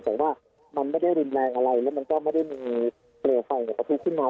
แต่ว่ามันไม่ได้ยินแรงอะไรและมันก็ไม่ได้มีเปรย์ไฟหยุดขึ้นมา